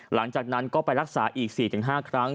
หลังจากนั้นก็ไปรักษาอีก๔๕ครั้ง